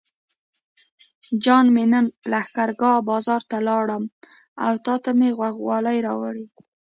جان مې نن لښکرګاه بازار ته لاړم او تاته مې غوږوالۍ راوړې.